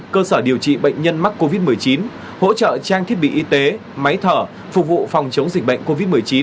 cơ sở điều trị bệnh nhân mắc covid một mươi chín hỗ trợ trang thiết bị y tế máy thở phục vụ phòng chống dịch bệnh covid một mươi chín